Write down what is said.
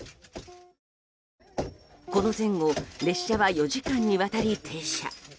この前後列車は４時間にわたり停車。